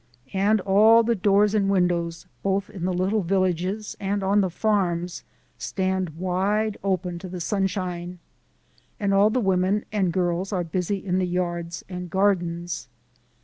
And all the doors and windows, both in the little villages and on the farms, stand wide open to the sunshine, and all the women and girls are busy in the yards and gardens.